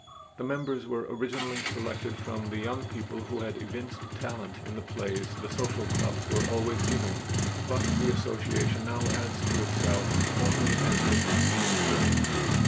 The members were originally selected from the young people who had evinced talent in the plays the social clubs were always giving, but the association now adds to itself only as a vacancy occurs.